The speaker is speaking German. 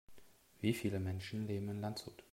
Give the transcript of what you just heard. Wie viele Menschen leben in Landshut?